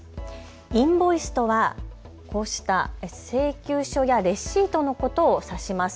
インボイスとはこうした請求書やレシートのことを指します。